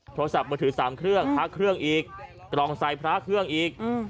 โทรศัพท์มือถือ๓เครื่องพระเครื่องอีกกล่องใส่พระเครื่องอีก